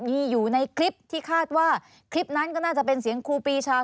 มีอยู่ในคลิปที่คาดว่าคลิปนั้นก็น่าจะเป็นเสียงครูปีชา